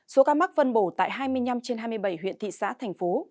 số ca mắc phân bổ tại hai mươi năm trên hai mươi bảy huyện thị xã thành phố